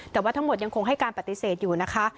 แต่ว่าทั้งหมดยังคงให้การปฏิเสธอยู่นะคะ